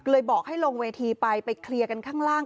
บอกให้ลงเวทีไปไปเคลียร์กันข้างล่าง